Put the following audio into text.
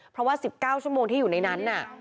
เพราะว่า๑๙ชั่วโมงที่อยู่ในนั้น